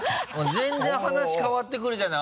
全然話変わってくるじゃない。